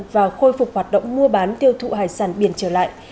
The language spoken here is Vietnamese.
và khôi phục hoạt động mua bán tiêu thụ hải sản biển trở lại